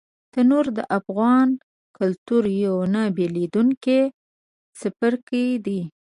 تنور د افغان کلتور یو نه بېلېدونکی څپرکی دی